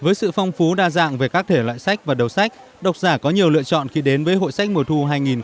với sự phong phú đa dạng về các thể loại sách và đầu sách độc giả có nhiều lựa chọn khi đến với hội sách mùa thu hai nghìn một mươi chín